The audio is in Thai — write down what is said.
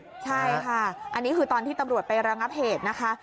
ใช่ค่ะอันนี้คือตอนที่ตำรวจไประงับเหตุนะคะ